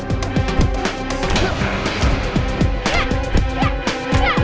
kalian tidak akan bisa lari